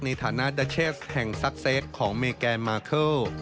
ในฐานะดาเชสแห่งซักเซตของเมแกนมาเคิล